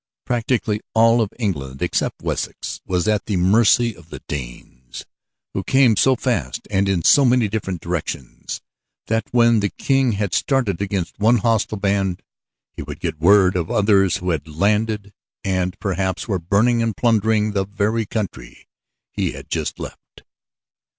Practically all of England except Wessex was at the mercy of the Danes, who came so fast and in so many different directions, that when the King had started against one hostile band he would get word of others who had landed and perhaps were burning and plundering the very country he had just left.